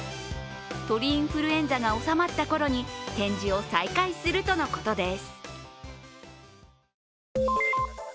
鳥インフルエンザが収まったころに展示を再開するとのことです。